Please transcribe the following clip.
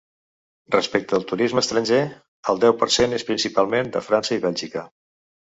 Respecte al turisme estranger, el deu per cent és principalment de França i Bèlgica.